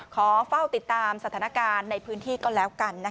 ขอเฝ้าติดตามสถานการณ์ในพื้นที่ก็แล้วกัน